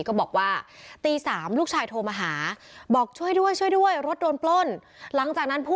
ก็บอกว่าตีสามลูกชายโทรมาหาบอกช่วยด้วยช่วยด้วยรถโดนปล้น